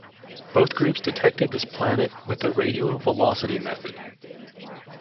Both groups detected this planet with the radial velocity method.